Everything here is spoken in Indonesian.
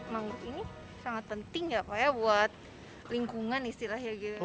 mangrove ini sangat penting ya pak ya buat lingkungan istilahnya gitu